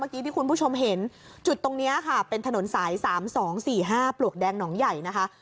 ที่คุณผู้ชมเห็นจุดตรงนี้ค่ะเป็นถนนสาย๓๒๔๕ปลวกแดงหนองใหญ่นะคะ